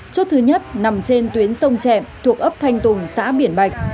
chốt thứ nhất nằm trên tuyến sông trẹm thuộc ấp thanh tùng xã biển bạch